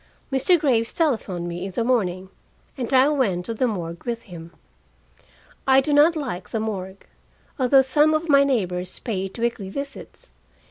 Mr. Graves telephoned me in the morning, and I went to the morgue with him. I do not like the morgue, although some of my neighbors pay it weekly visits.